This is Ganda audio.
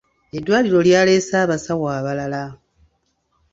Eddwaliro lyaleese abasawo abalala.